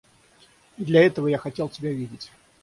И для этого я хотел тебя видеть.